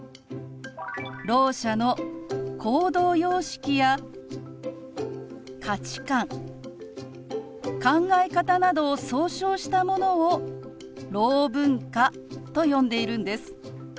ろう者の行動様式や価値観考え方などを総称したものをろう文化と呼んでいるんです。